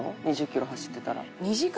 ２０キロ走ってたら。